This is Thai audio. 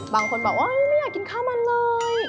บางคนบอกโอ๊ยไม่อยากกินข้าวมันเลย